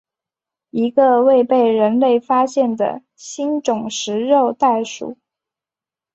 一个未被人类发现的新种食肉袋鼠。